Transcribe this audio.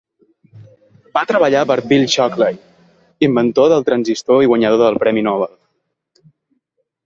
Va treballar per Bill Shockley, inventor del transistor i guanyador del Premi Nobel.